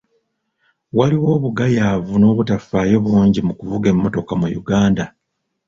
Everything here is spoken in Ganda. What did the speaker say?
Waliwo obugayaavu n'obutafaayo bungi mu kuvuga emmotoka mu Uganda.